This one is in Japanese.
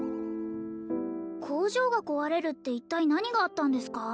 工場が壊れるって一体何があったんですか？